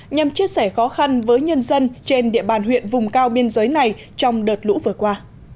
nhằm chia sẻ khó khăn với nhân dân trên địa bàn huyện vùng cao biên giới này trong đợt lũ vừa qua